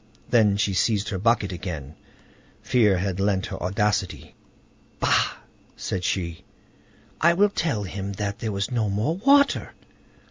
Then she seized her bucket again; fear had lent her audacity. "Bah!" said she; "I will tell him that there was no more water!"